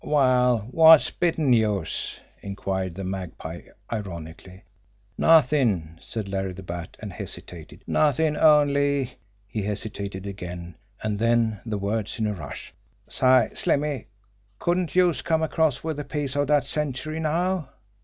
"Well, wot's bitin' youse?" inquired the Magpie ironically. "Nothin'," said Larry the Bat and hesitated. "Nothin', only " He hesitated again; and then, the words in a rush: "Say, Slimmy, couldn't youse come across wid a piece of dat century now?"